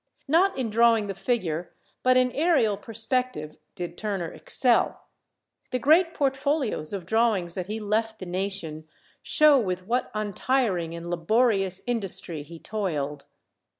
Not in drawing the figure, but in aërial perspective, did Turner excel. The great portfolios of drawings that he left the nation show with what untiring and laborious industry he toiled.